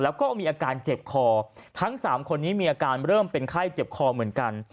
แล้วก็มีอาการเจ็บคอทั้งสามคนนี้มีอาการเริ่มเป็นไข้เจ็บคอเหมือนกัน